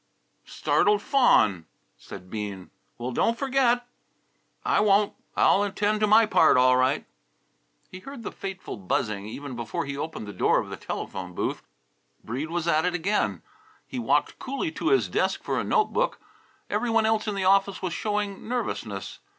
"Startled fawn," said Bean. "Well, don't forget." "I won't. I'll attend to my part all right." He heard the fateful buzzing even before he opened the door of the telephone booth. Breede was at it again. He walked coolly to his desk for a note book. Every one else in the office was showing nervousness.